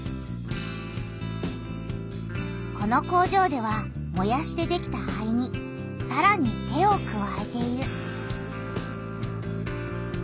この工場ではもやしてできた灰にさらに手をくわえている。